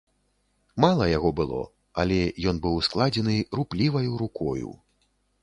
Мала яго было, але ён быў складзены рупліваю рукою.